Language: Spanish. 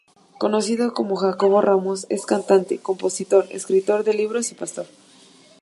Conocido como Jacobo Ramos es cantante, compositor, escritor de libros y pastor.